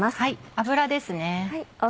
油ですね。